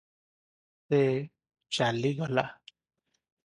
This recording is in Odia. ସେ ଚାଲିଗଲା ।